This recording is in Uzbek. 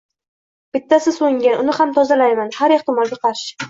Bittasi so‘ngan, uni ham tozalayman, har ehtimolga qarshi.